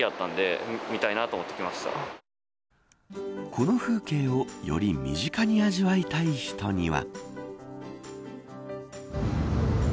この風景をより身近に味わいたい人には。